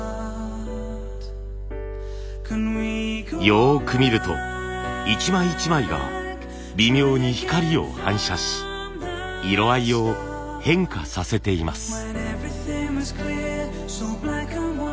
よく見ると一枚一枚が微妙に光を反射し色合いを変化させています。